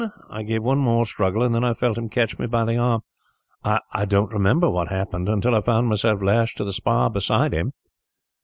I gave one more struggle, and then I felt him catch me by the arm. I don't remember what happened, until I found myself lashed to the spar beside him.